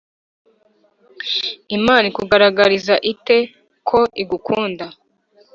Imana ikugaragariza ite ko igukunda